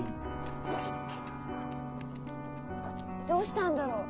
どうしたんだろう？